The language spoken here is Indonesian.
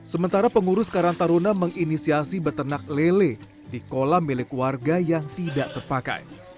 sementara pengurus karantaruna menginisiasi betenak lele di kolam milik warga yang tidak terpakai